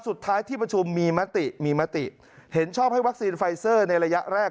สุดท้ายที่ประชุมมีมติมีมติเห็นชอบให้วัคซีนไฟเซอร์ในระยะแรก